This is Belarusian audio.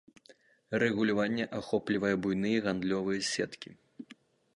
Рэгуляванне ахоплівае буйныя гандлёвыя сеткі.